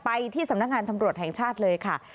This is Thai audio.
ที่สำนักงานตำรวจแห่งชาติเลยค่ะ